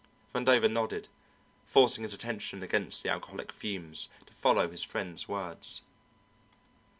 Vandover nodded, forcing his attention against the alcoholic fumes, to follow his friend's words.